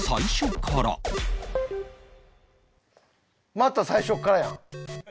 また最初からやん！